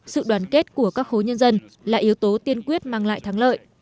sự đoàn kết của các khối nhân dân là yếu tố tiên quyết mang lại thắng lợi